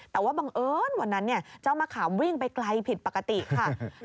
แต่ว่าบังเอิญวันนั้นเจ้ามะขามวิ่งไปไกลผิดปกติค่ะ